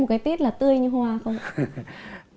cái tiết là tươi như hoa không ạ